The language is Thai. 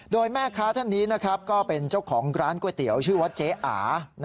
โดยแม่ค้าท่านนี้ก็เป็นเจ้าของร้านก๋วยเตี๋ยวชื่อว่าเจ๊อา